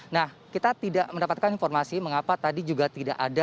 nah kita tidak mendapatkan informasi mengapa tadi juga tidak ada